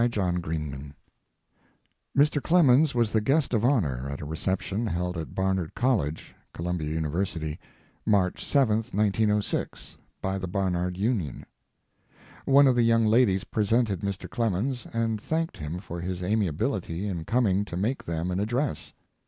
MORALS AND MEMORY Mr. Clemens was the guest of honor at a reception held at Barnard College (Columbia University), March 7, 1906, by the Barnard Union. One of the young ladies presented Mr. Clemens, and thanked him for his amiability in coming to make them an address.